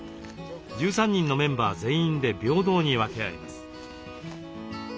１３人のメンバー全員で平等に分け合います。